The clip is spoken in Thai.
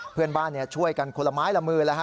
เพื่อนบ้านช่วยกันคนละไม้ละมือแล้วฮ